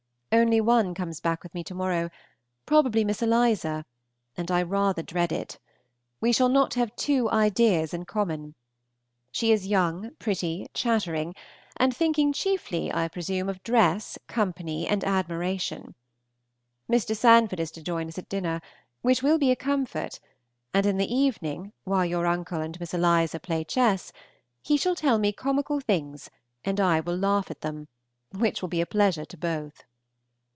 Only one comes back with me to morrow, probably Miss Eliza, and I rather dread it. We shall not have two ideas in common. She is young, pretty, chattering, and thinking chiefly, I presume, of dress, company, and admiration. Mr. Sanford is to join us at dinner, which will be a comfort, and in the evening, while your uncle and Miss Eliza play chess, he shall tell me comical things and I will laugh at them, which will be a pleasure to both.